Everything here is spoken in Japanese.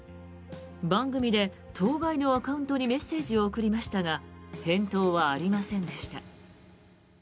番組で当該のアカウントにメッセージを送りましたが返答はありませんでした。